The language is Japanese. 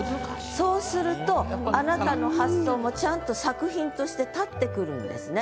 そうするとあなたの発想もちゃんと作品として立ってくるんですね。